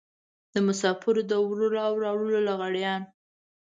د مسافرو د وړلو او راوړلو لغړيان.